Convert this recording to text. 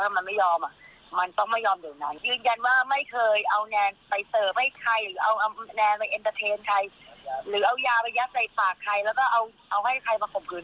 ไม่มีทางไม่ใช่เลย